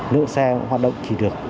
lượng xe hoạt động chỉ được